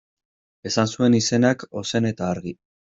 Esan zuen izenak ozen eta argi.